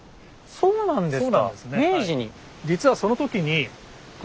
そうなんです。